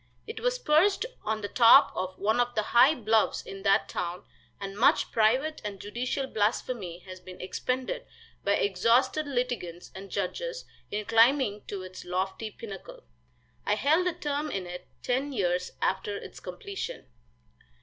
It was perched on the top of one of the high bluffs in that town, and much private and judicial blasphemy has been expended by exhausted litigants and judges in climbing to its lofty pinnacle. I held a term in it ten years after its completion.